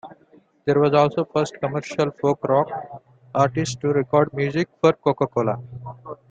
They were also the first commercial folk-rock artists to record music for Coca-Cola.